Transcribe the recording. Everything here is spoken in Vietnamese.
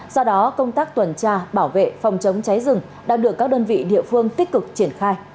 do đó công tác tuần tra bảo vệ phòng chống cháy rừng đang được các đơn vị địa phương tích cực triển khai